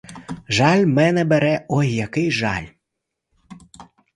Жаль мене бере, ой який жаль!